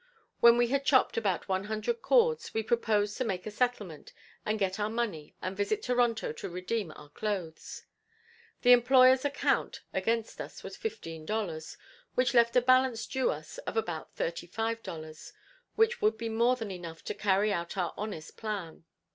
When we had chopped about one hundred cords, we proposed to make a settlement, and get our money and visit Toronto to redeem our clothes. The employer's account against us was fifteen dollars, which left a balance due us of about thirty five dollars, which would be more than enough to carry out our honest plan.